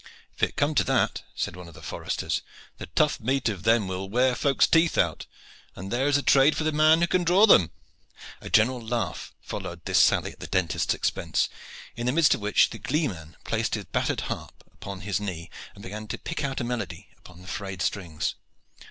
"If it come to that." said one of the foresters, "the tough meat of them will wear folks teeth out, and there is a trade for the man who can draw them." A general laugh followed this sally at the dentist's expense, in the midst of which the gleeman placed his battered harp upon his knee, and began to pick out a melody upon the frayed strings.